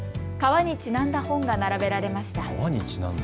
川にちなんだ本が並べられました。